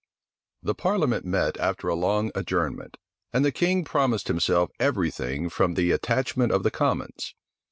The parliament met after a long adjournment, and the king promised himself every thing from the attachment of the commons.